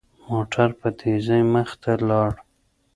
موټر په تېزۍ مخ ته لاړ.